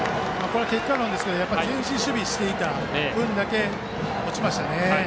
これは結果論ですが前進守備の分だけ落ちました。